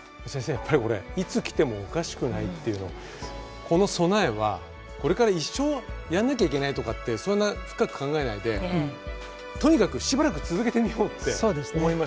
やっぱりいつ来てもおかしくないっていうのはこの備えはこれから一生やらなきゃいけないとかってそんな深く考えないでとにかくしばらく続けてみようって思いました僕は。